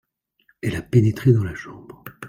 Elle a pénétré dans la chambre.